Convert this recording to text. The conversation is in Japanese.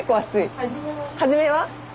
初めはね。